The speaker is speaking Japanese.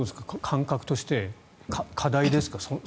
感覚として過大ですか？